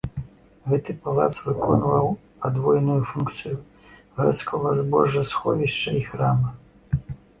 Гэты палац выконваў падвойную функцыю гарадскога збожжасховішча і храма.